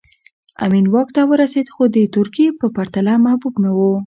امین واک ته ورسېد خو د ترکي په پرتله محبوب نه و